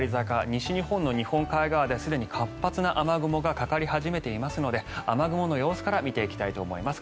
西日本の日本海側ですでに活発な雨雲がかかり始めていますので雨雲の様子から見ていきたいと思います。